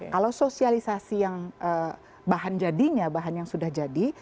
kalau sosialisasi yang bahan jadinya bahan yang sudah jadi